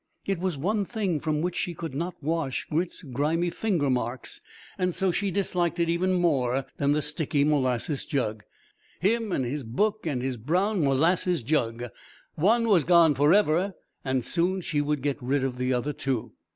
It was one thing from which she could not wash Grit's grimy fingermarks, and so she disliked it even more than the sticky molasses jug. "Him and his book and his brown molasses jug!" One was gone forever, and soon she would get rid of the other two.